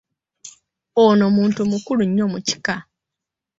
Ono muntu mukulu nnyo mu kika.